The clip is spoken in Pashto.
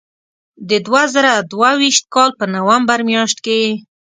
د دوه زره دوه ویشت کال په نومبر میاشت کې.